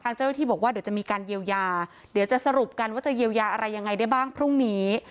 เจ้าหน้าที่บอกว่าเดี๋ยวจะมีการเยียวยาเดี๋ยวจะสรุปกันว่าจะเยียวยาอะไรยังไงได้บ้างพรุ่งนี้